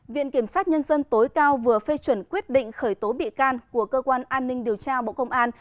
viện kiểm sát nhân dân tối cao vừa phê chuẩn quyết định khởi tố bị can của cơ quan an ninh điều tra bộ công an